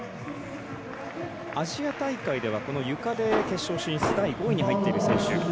アジア大会ではゆかで決勝進出５位に入っている選手。